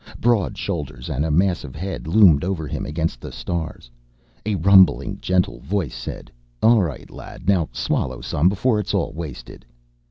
Broad shoulders and a massive head loomed over him against the stars. A rumbling, gentle voice said: "All right, lad, now swallow some before it's all wasted."